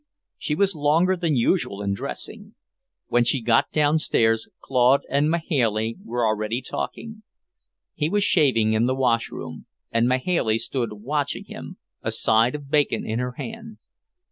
She was longer than usual in dressing. When she got downstairs Claude and Mahailey were already talking. He was shaving in the washroom, and Mahailey stood watching him, a side of bacon in her hand.